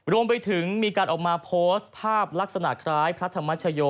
รวมไปถึงมีการออกมาโพสต์ภาพลักษณะคล้ายพระธรรมชโย